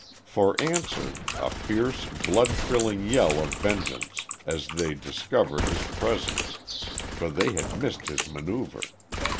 For answer, a fierce, blood thrilling yell of vengeance, as they discovered his presence, for they had missed his manoeuvre.